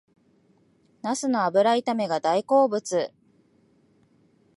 ナスの油炒めが大好物